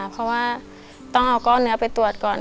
เพราะว่าต้องเอาก้อนเนื้อไปตรวจก่อน